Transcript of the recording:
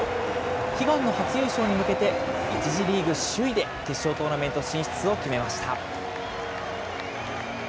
悲願の初優勝に向けて、１次リーグ首位で決勝トーナメント進出を決めました。